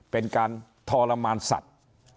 เป็นการทรมานสัตว์